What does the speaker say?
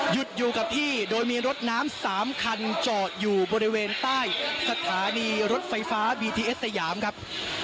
อยู่กับที่โดยมีรถน้ำ๓คันจอดอยู่บริเวณใต้สถานีรถไฟฟ้าบีทีเอสยามครับ